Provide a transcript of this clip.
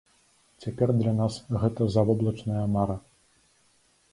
Цяпер для нас гэта завоблачная мара.